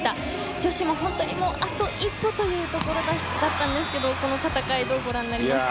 女子も本当にあと一歩というところだったんですがこの戦いをどうご覧になりました？